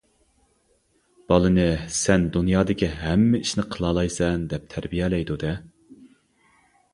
بالىنى سەن دۇنيادىكى ھەممە ئىشنى قىلالايسەن دەپ تەربىيەلەيدۇ دە.